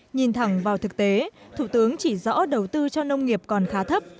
nhìn thẳng vào thực tế thủ tướng chỉ rõ đầu tư cho nông nghiệp còn khá thấp